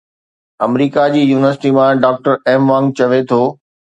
آمريڪا جي يونيورسٽي مان doctor Mwang چوي ٿو